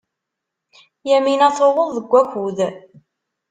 Yamina tuweḍ deg wakud.